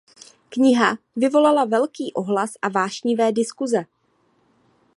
Kniha vyvolala velký ohlas a vášnivé diskuze.